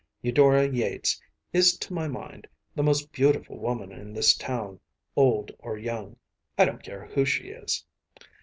Eudora Yates is to my mind the most beautiful woman in this town, old or young, I don’t care who she is.